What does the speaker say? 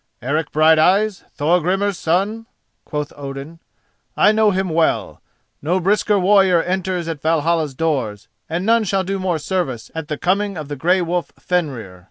"Eric Brighteyes, Thorgrimur's son?" quoth Odin. "I know him well; no brisker warrior enters at Valhalla's doors, and none shall do more service at the coming of grey wolf Fenrir.